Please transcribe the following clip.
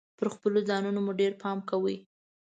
پر خپلو ځانونو مو ډیر پام کوﺉ .